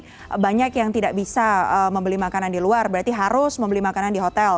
tapi banyak yang tidak bisa membeli makanan di luar berarti harus membeli makanan di hotel